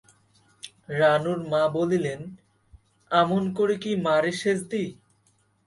রানুর মা বলিলেন-আমন করে কি মারে সেজদি?